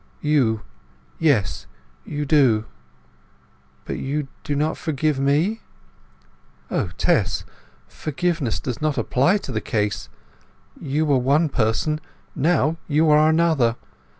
"You—yes, you do." "But you do not forgive me?" "O Tess, forgiveness does not apply to the case! You were one person; now you are another.